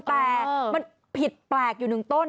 แต่มันผิดแปลกอยู่หนึ่งต้น